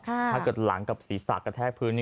ถ้าเกิดหลังกับศีรษะกระแทกพื้น